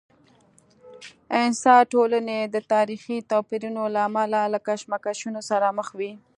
انسا ټولنې د تاریخي توپیرونو له امله له کشمکشونو سره مخ وي.